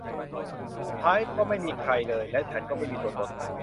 สุดท้าย ก็ไม่มีใครเลย และฉันก็ไม่มีตัวตน